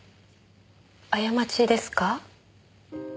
過ちですか？